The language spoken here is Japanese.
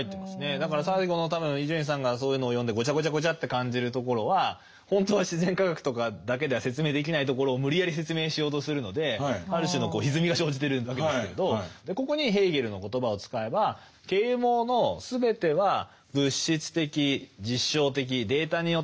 だから最後の多分伊集院さんがそういうのを読んでごちゃごちゃごちゃって感じるところは本当は自然科学とかだけでは説明できないところを無理やり説明しようとするのである種のひずみが生じてるわけですけれどここにヘーゲルの言葉を使えば啓蒙は信仰を誤謬だ迷信だって批判したわけですよね。